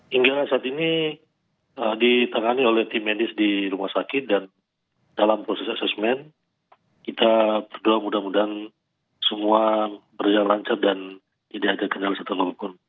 hingga saat ini ditangani oleh tim medis di rumah sakit dan dalam proses asesmen kita berdoa mudah mudahan semua berjalan lancar dan tidak ada kendala satu